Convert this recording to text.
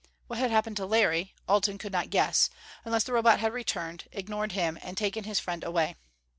What had happened to Larry, Alten could not guess, unless the Robot had returned, ignored him and taken his friend away.